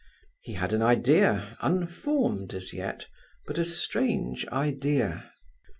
He had an idea, unformed as yet, but a strange idea.